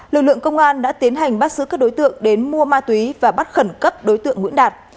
lực lượng công an đã tiến hành bắt giữ các đối tượng đến mua ma túy và bắt khẩn cấp đối tượng nguyễn đạt